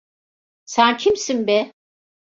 Sen kimsin be?